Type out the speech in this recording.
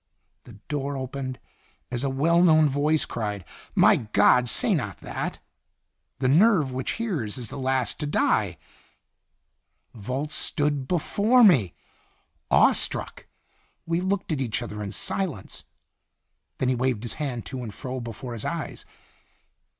The door opened as a well known voice cried: "My God! say not that! The nerve which hears is last to die " Volz stood before me! Awe struck, we looked at each other in silence. Then he waved his hand to and fro before his eyes.